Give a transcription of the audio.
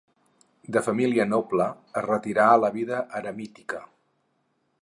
De família noble es retirà a la vida eremítica.